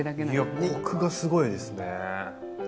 いやコクがすごいですね。